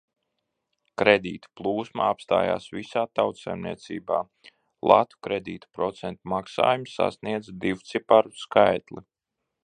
Kredītu plūsma apstājās visā tautsaimniecībā, latu kredītu procentu maksājumi sasniedza divciparu skaitli.